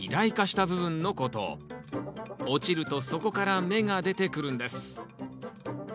落ちるとそこから芽が出てくるんです。